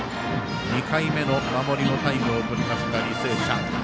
２回目の守りのタイムをとった履正社。